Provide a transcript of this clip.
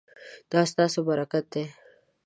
دا ستاسو برکت دی